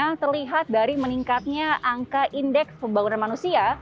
kita melihat dari meningkatnya angka indeks pembangunan manusia